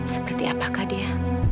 seperti apakah dia